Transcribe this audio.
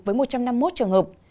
với một trăm năm mươi một trường hợp